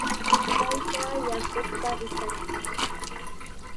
Taytaa yarquqta rikash kaa.